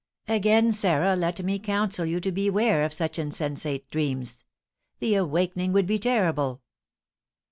"Again, Sarah, let me counsel you to beware of such insensate dreams, the awaking would be terrible!"